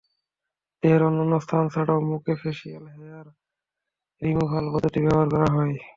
দেহের অন্যান্য স্থান ছাড়াও মুখে ফেশিয়াল হেয়ার রিমুভাল পদ্ধতি ব্যবহার করা হয়।